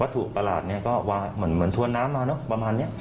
วัตถุประหลาดเนี่ยเหมือนทวนน้ำมาเนาะประมาณเนี่ย